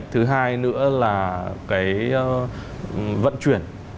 thứ hai nữa là cái vận chuyển